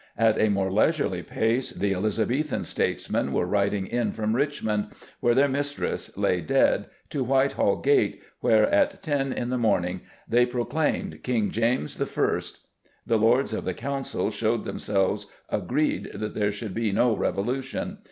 At a more leisurely pace the Elizabethan statesmen were riding in from Richmond, where their mistress lay dead, to Whitehall Gate, where at ten in the morning they proclaimed King James I.... The Lords of the Council showed themselves agreed that there should be no revolution.